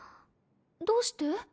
どうして？